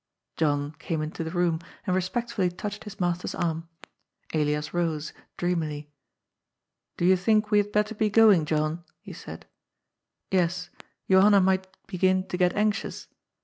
John came into the room and respectfully touched his master's arm. Elias rose, dreamily. ^^Do you think we had better be going, John?" he said. "Yes, Johanna might begin to get anxious.